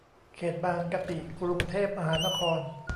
เขตบางกะปิ กรุงเทพมหานคร